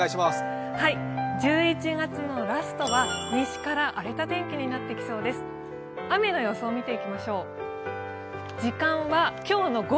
１１月のラストは西から荒れた天気になってきそうです。